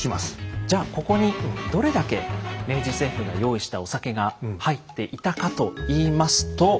じゃあここにどれだけ明治政府が用意したお酒が入っていたかといいますと。